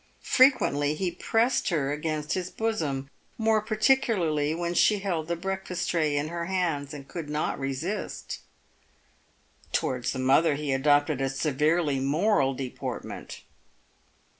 Frequently he pressed her against his bosom, more particularly when she held the breakfast tray in her hands and could not resist. Towards the mother he adopted a severely moral deportment.